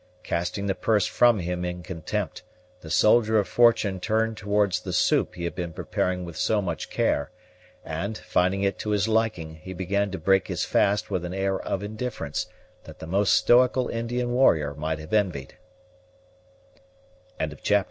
Casting the purse from him in contempt, the soldier of fortune turned towards the soup he had been preparing with so much care, and, finding it to his liking, he began to break his fast with an air of indifference that the most stoical Indian warrior might have envi